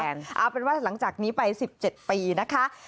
เอาเป็นว่าหลังจากนี้ไป๑๗ปีนะคะ